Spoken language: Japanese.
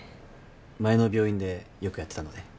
前の病院でよくやってたので。